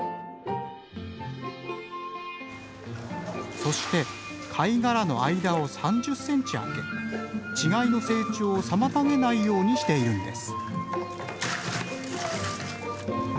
そして貝殻の間を３０センチあけ稚貝の成長を妨げないようにしているんです。